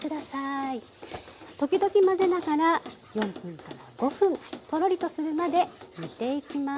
時々混ぜながら４分から５分トロリとするまで煮ていきます。